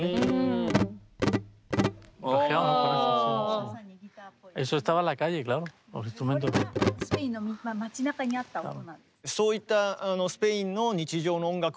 これがスペインの街なかにあった音。